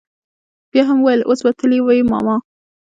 بيا يې هم وويل اوس به تلي وي ماما.